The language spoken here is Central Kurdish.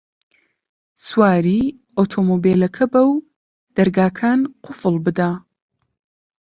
سواری ئۆتۆمبێلەکە بە و دەرگاکان قوفڵ بدە.